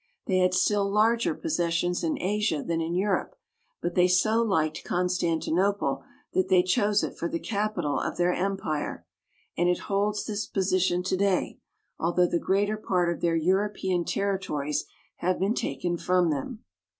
They had still larger possessions in Asia than in Europe, but they so liked Constantinople that they chose it for the capital of their empire, and it holds this position to day, although the greater part of their European territories have been taken from them.